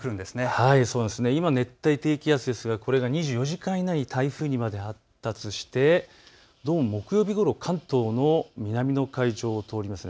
今、熱帯低気圧ですがこれが２４時間以内に台風にまで発達して木曜日ごろ、関東の南の海上を通ります。